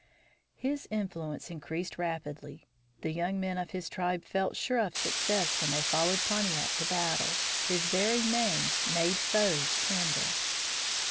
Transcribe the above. His influence increased rapidly. The young men of his tribe felt sure of success when they followed Pontiac to battle. His very name made his foes tremble.